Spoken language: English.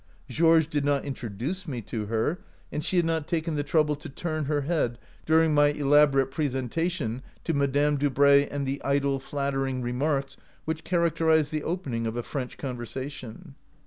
Georges did not introduce me to her, and she had not taken the trouble OUT OF BOHEMIA to" turn her head during my elaborate pres entation to Madame Dubray and the idle, flattering remarks which characterize the opening of a French conversation.